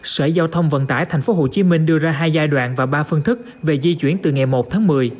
sở giao thông vận tải tp hcm đưa ra hai giai đoạn và ba phương thức về di chuyển từ ngày một tháng một mươi